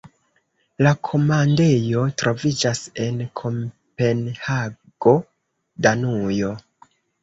La komandejo troviĝas en Kopenhago, Danujo.